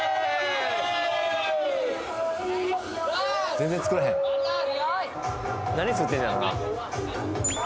全然作らへん何作ってんねやろな？